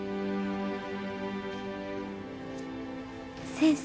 先生？